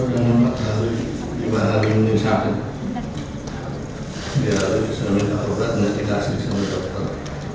bapak ibu bilang dia minta obat tidak dikasih sama dokter